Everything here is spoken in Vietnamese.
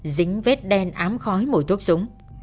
dính vết đen ám khói mùi thuốc súng